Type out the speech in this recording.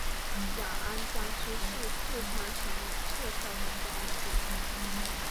雅安专区是四川省已撤销的专区。